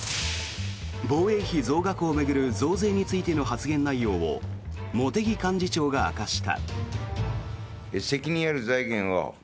防衛費増額を巡る増税についての発言内容を茂木幹事長が明かした。